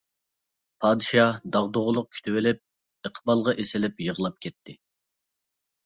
پادىشاھ داغدۇغىلىق كۈتۈۋېلىپ، ئىقبالغا ئېسىلىپ يىغلاپ كەتكەن.